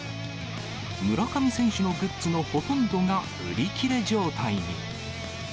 村上選手のグッズのほとんどが売り切れ状態に。